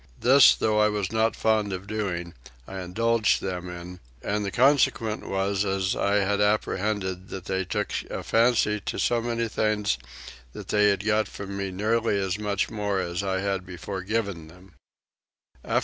This though I was not fond of doing I indulged them in; and the consequence was as I had apprehended that they took a fancy to so many things that they got from me nearly as much more as I had before given them.